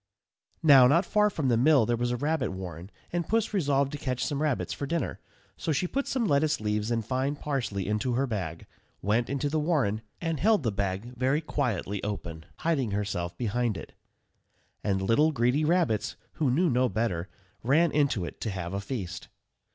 _ Now, not far from the mill there was a rabbit warren, and Puss resolved to catch some rabbits for dinner. So she put some lettuce leaves and fine parsley into her bag, went into the warren, and held the bag very quietly open, hiding herself behind it. And little greedy rabbits, who knew no better, ran into it, to have a feast.